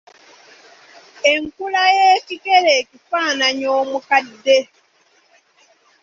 Enkula y’ekikere ekifaananya omukadde.